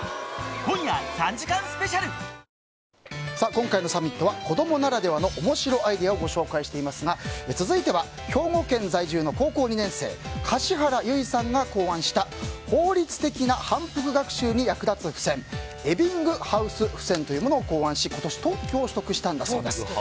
今回のサミットは子供ならではの面白アイデアをご紹介していますが続いては兵庫県在住の高校２年生樫原優衣さんが考案した効率的な反復学習に役立つ付箋エビングハウスフセンというものを考案し今年、特許を取得したんだそうです。